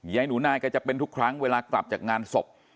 ยายหนูนายแกจะเป็นทุกครั้งเวลากลับจากงานศพ